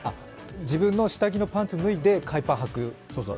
自分の下着のパンツ脱いで海パンはく？